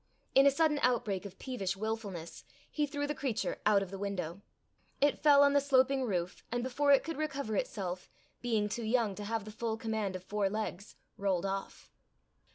In a sudden outbreak of peevish wilfulness, he threw the creature out of the window. It fell on the slooping roof, and before it could recover itself, being too young to have the full command of four legs, rolled off.